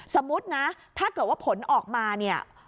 สมมุตินะถ้าเกิดว่าผลออกมาเนี่ย